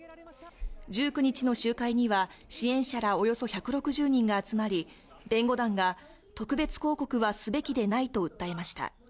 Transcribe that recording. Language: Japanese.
１９日の集会には、支援者らおよそ１６０人が集まり、弁護団が特別抗告はすべきでないと訴えました。